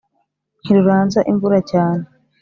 ntiruranza imvura cyane